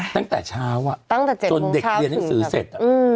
ตั้งแต่เช้าจนเด็กเรียนหนังสือเสร็จ